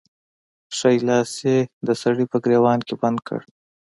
ښی لاس يې د سړي په ګرېوان کې بند کړ.